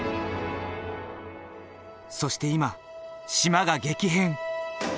そして今島が激変！